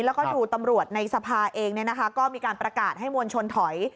แล้วก็ดูตำรวจในสภาเองก็มีการประกาศให้มวลชนถอย